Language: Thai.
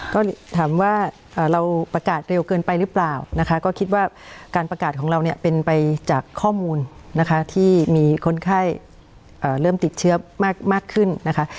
ก็ถามว่าเราประกาศเร็วเกินไปหรือเปล่านะคะก็คิดว่าการประกาศของเราเนี่ยเป็นไปจากข้อมูลนะคะที่มีคนไข้เริ่มติดเชื้อมากขึ้นนะคะ